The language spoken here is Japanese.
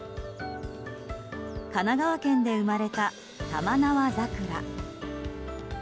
神奈川県で生まれた玉縄桜。